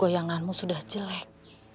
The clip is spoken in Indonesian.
goyanganmu sudah jelek